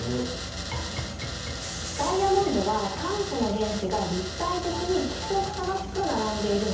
ダイヤモンドは炭素の原子が立体的に規則正しく並んでいるんだ。